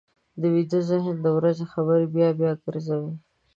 ویده ذهن د ورځې خبرې بیا بیا ګرځوي